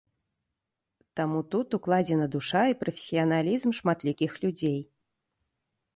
Таму тут укладзена душа і прафесіяналізм шматлікіх людзей.